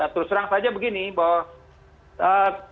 terus terang saja begini bahwa